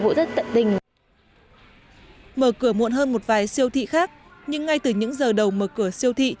vụ rất tận tình mở cửa muộn hơn một vài siêu thị khác nhưng ngay từ những giờ đầu mở cửa siêu thị